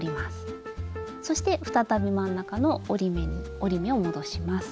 そして再び真ん中の折り目を戻します。